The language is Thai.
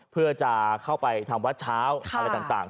เพื่อจะเข้าไปทำวัดเช้าอะไรต่าง